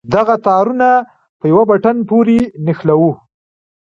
دغه تارونه په يوه بټن پورې نښلوو.